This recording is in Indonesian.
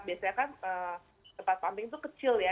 biasanya kan tempat pumping itu kecil ya